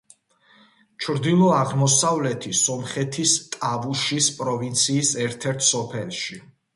ჩრდილო-აღმოსავლეთი სომხეთის ტავუშის პროვინციის ერთ-ერთ სოფელში.